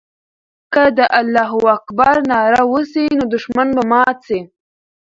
که د الله اکبر ناره وسي، نو دښمن به مات سي.